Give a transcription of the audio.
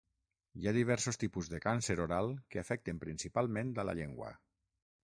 Hi ha diversos tipus de càncer oral que afecten principalment a la llengua.